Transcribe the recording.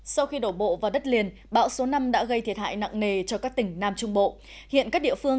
sau khi đổ bộ vào đất liền bão số năm đã gây thiệt hại nặng nề cho các thành viên